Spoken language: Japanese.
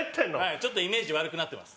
ちょっとイメージ悪くなってます。